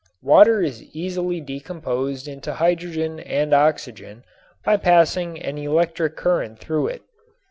Water is easily decomposed into hydrogen and oxygen by passing an electric current through it.